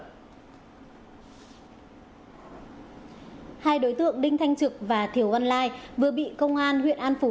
hai đối tượng đinh thanh trực và thiểu văn lai vừa bị công an huyện an phú